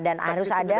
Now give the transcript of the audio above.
dan harus ada